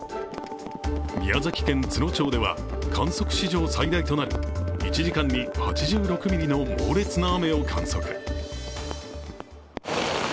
宮崎県都農町では観測史上最大となる１時間に８６ミリの猛烈な雨を観測。